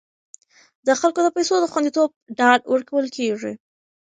د خلکو د پیسو د خوندیتوب ډاډ ورکول کیږي.